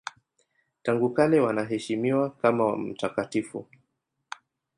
Tangu kale wanaheshimiwa kama mtakatifu.